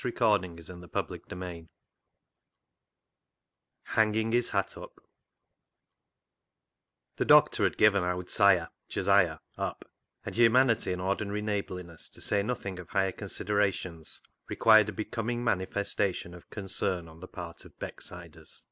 i 1 '' Hanging his Hat up " 57 " Hanging his Hat up " The doctor had given " Owd 'Siah " (Josiah) up, and humanity and ordinary neighbourliness, to say nothing of higher considerations, required a becoming manifestation of concern on the part of Becksiders.